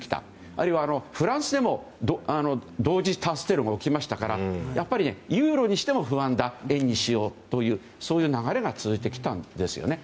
あるいはフランスでも同時多発テロが起きましたからユーロにしても不安だ円にしようという流れが続いてきたんですよね。